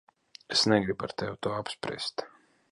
Es negribu ar tevi to apspriest.